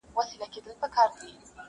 پر اوښتي تر نیوي وه زیات کلونه!!